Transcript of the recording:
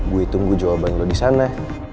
gue tunggu jawaban lo disana